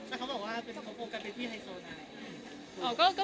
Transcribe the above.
เขาบอกว่าต้องโฟกัสไปที่ไทยโซน